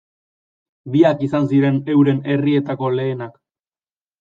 Biak izan ziren euren herrietako lehenak.